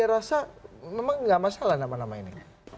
saya rasa memang nggak masalah nama nama ini